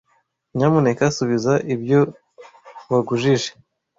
Nyamuneka subiza ibyo wagujije.